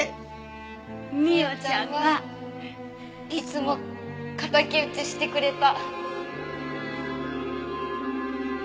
ミヨちゃんはいつも敵討ちしてくれた。